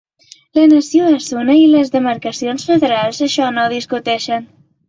La nació és una i les demarcacions federals això no ho discuteixen.